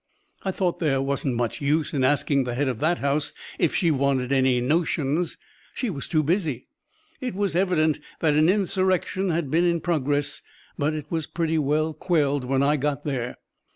"I thought there wasn't much use in asking the head of that house if she wanted any 'notions.' She was too busy. It was evident that an insurrection had been in progress, but it was pretty well quelled when I got there.